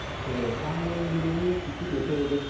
３年ぶりに行く予定です。